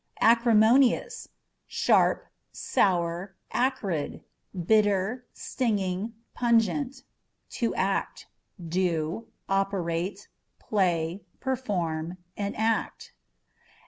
Acrimonious â€" sharp, sour, acrid ; bitter, stinging, pungent* To Actâ€" do, operate ; play, perform, enact.